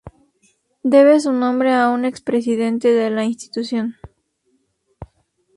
Debe su nombre a un expresidente de la institución.